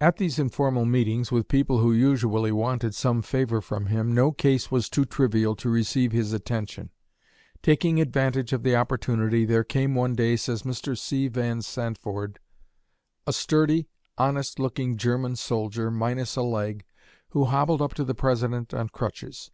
At these informal meetings with people who usually wanted some favor from him, no case was too trivial to receive his attention. Taking advantage of the opportunity, there came one day, says Mr. C. Van Santvoord, "a sturdy, honest looking German soldier, minus a leg, who hobbled up to the President on crutches.